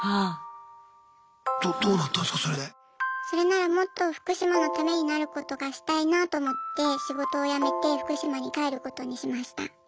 それならもっと福島のためになることがしたいなと思って仕事を辞めて福島に帰ることにしました。